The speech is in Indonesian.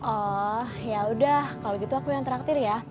oh ya udah kalau gitu aku yang traktir ya